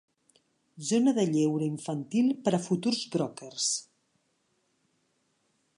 Zona de lleure infantil per a futurs brokers.